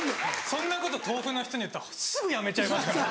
そんなこと豆腐の人に言ったらすぐやめちゃいますからね。